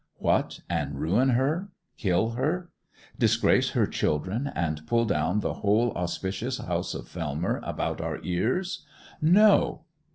'What, and ruin her—kill her? Disgrace her children, and pull down the whole auspicious house of Fellmer about our ears? No!